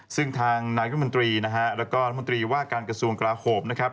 ซึ่งทางนักบินมันตรีและนักบินมันตรีว่าการกระทรวงกราโภพนะครับ